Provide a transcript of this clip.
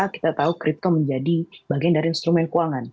kita tahu crypto menjadi bagian dari instrumen keuangan